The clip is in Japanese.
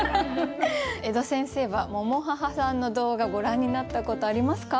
江戸先生はｍｏｍｏｈａｈａさんの動画ご覧になったことありますか？